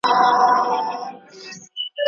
ځینې وخت مصنوعي ویډیوګانې جوړېږي.